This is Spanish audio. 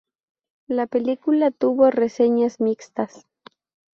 La película tuvo reseñas mixtas.